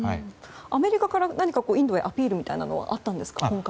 アメリカから何かインドへアピールはあったんですか？